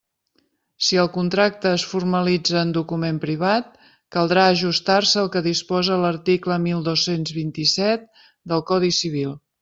Si el contracte es formalitza en document privat, caldrà ajustar-se al que disposa l'article mil dos-cents vint-i-set del Codi Civil.